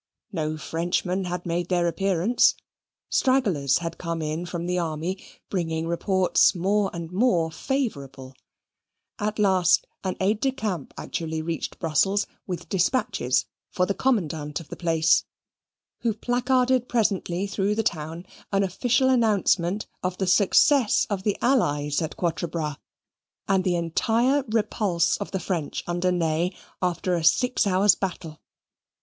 No Frenchmen had made their appearance. Stragglers had come in from the army bringing reports more and more favourable: at last an aide de camp actually reached Brussels with despatches for the Commandant of the place, who placarded presently through the town an official announcement of the success of the allies at Quatre Bras, and the entire repulse of the French under Ney after a six hours' battle.